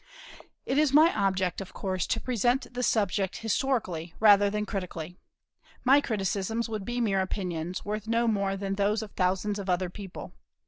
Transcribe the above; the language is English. It is my object, of course, to present the subject historically, rather than critically. My criticisms would be mere opinions, worth no more than those of thousands of other people.